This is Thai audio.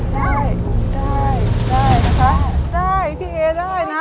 ได้ได้นะคะได้พี่เอได้นะ